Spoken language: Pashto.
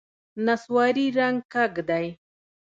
نسواري رنګ کږ دی.